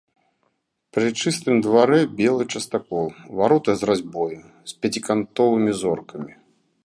Пры чыстым дварэ белы частакол, вароты з разьбою, з пяцікантовымі зоркамі.